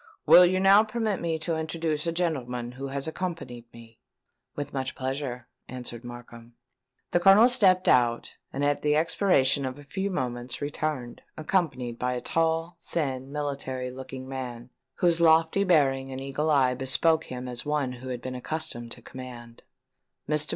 "Will you now permit me to introduce a gentleman who has accompanied me?" "With much pleasure," answered Markham. The Colonel stepped out, and at the expiration of a few moments returned, accompanied by a tall, thin, military looking man, whose lofty bearing and eagle eye bespoke him as one who had been accustomed to command. "Mr.